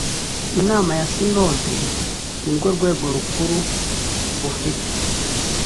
inama ya sinode nirwo rwego rukuru rufite